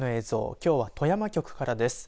きょうは富山局からです。